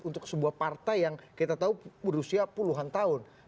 untuk sebuah partai yang kita tahu berusia puluhan tahun